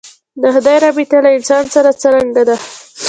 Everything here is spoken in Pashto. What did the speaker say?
د خدای رابطه له انسان سره څرنګه ده.